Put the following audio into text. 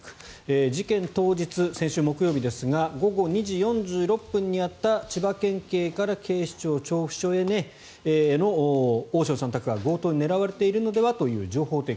事件当日、先週木曜日ですが午後２時４６分にあった千葉県警から警視庁調布署への大塩さん宅が強盗に狙われているのではという情報提供